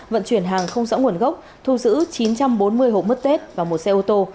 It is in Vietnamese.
vận chuyển hàng không rõ nguồn gốc thu giữ chín trăm bốn mươi hộ mất tết và một xe ô tô